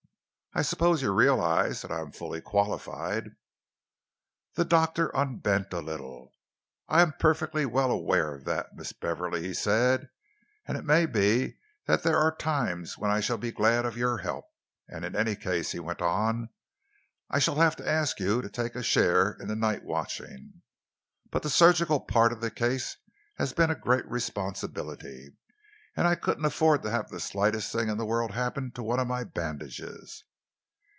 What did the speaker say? I suppose you realise that I am fully qualified?" The doctor unbent a little. "I am perfectly well aware of that. Miss Beverley," he said, "and it may be that there are times when I shall be glad of your help, and in any case," he went on, "I shall have to ask you to take a share in the night watching. But the surgical part of the case has been a great responsibility, and I couldn't afford to have the slightest thing in the world happen to one of my bandages."